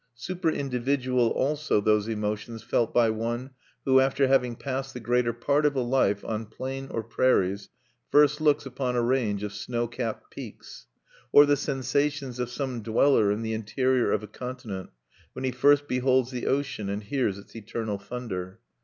Superindividual also those emotions felt by one who, after having passed the greater part of a life on plain or prairies, first looks upon a range of snow capped peaks; or the sensations of some dweller in the interior of a continent when he first beholds the ocean, and hears its eternal thunder.